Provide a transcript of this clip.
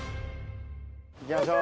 行きましょう。